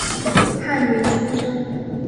翰林出身。